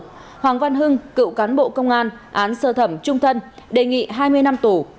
đỗ hoàng văn hưng cựu cán bộ công an án sơ thẩm trung thân đề nghị hai mươi năm tù